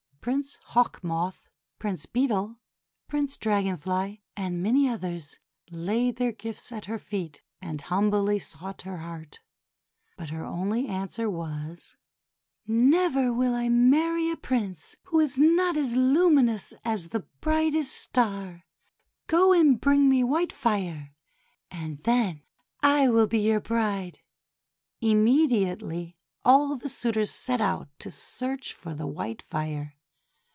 Prince Hawk Moth, Prince Beetle, Prince Dragon Fly, and many others laid their gifts at her feet, and humbly sought her heart. But her only answer was: — "Never will I marry a Prince who is not as luminous as the brightest Star! Go and bring me white fire, and then I will be your bride." Immediately, all the suitors set out to search for the white fire.